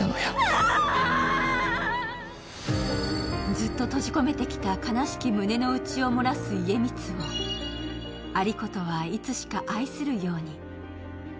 ずっと閉じ込めてきた悲しき胸の内を漏らす家光を有功はいつしか愛するように。